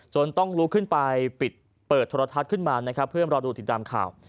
ต้องลุกขึ้นไปปิดเปิดโทรทัศน์ขึ้นมานะครับเพื่อรอดูติดตามข่าว